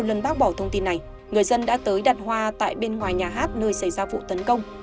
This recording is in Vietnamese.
lần bác bỏ thông tin này người dân đã tới đặt hoa tại bên ngoài nhà hát nơi xảy ra vụ tấn công